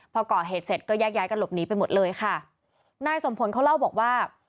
พอก่อเหตุเสร็จก็แยกย้ายกันหลบหนีไปหมดเลยค่ะนายสมผลเขาเล่าบอกว่า